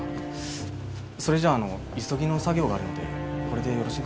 それじゃあ急ぎの作業があるのでこれでよろしいでしょうか？